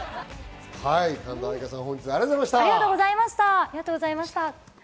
神田愛花さん、本日ありがとうございました。